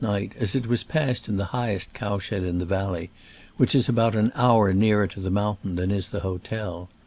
night, as it was passed in the highest cow shed in the valley, which is about an hour nearer to the mountain than is the hotel.